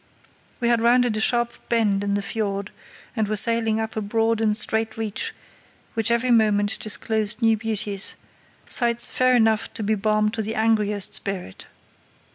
We had rounded a sharp bend in the fiord, and were sailing up a broad and straight reach which every moment disclosed new beauties, sights fair enough to be balm to the angriest spirit.